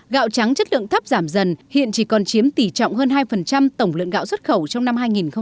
gạo trắng chất lượng thấp giảm dần hiện chỉ còn chiếm tỷ trọng hơn hai tổng lượng gạo xuất khẩu trong năm hai nghìn một mươi chín